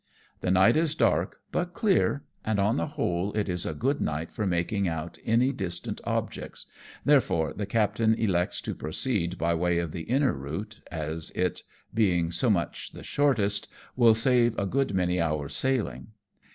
The night is dark but clear, and on the whole it is a good night for making out any distant objects, therefore the captain elects to proceed by way of the inner route, as it, being so much the shortest, will save a good many hours' sailing.